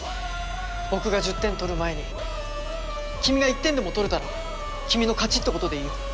僕が１０点取る前に君が１点でも取れたら君の勝ちってことでいいよ。